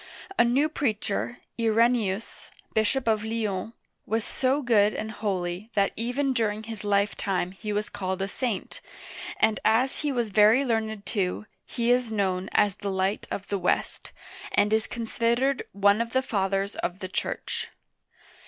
A new preacher, I re ne'us, bishop of Lyons, was so good and holy that even during his lifetime he was called a saint, and as he was very learned too, he is known as the "Light of the West,*' and is considered one of the Fathers of the Church.